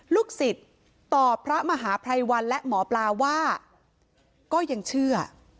ลูกศิษย์ตอบพระมหาภัยวันและหมอปลาว่าก็ยังเชื่อ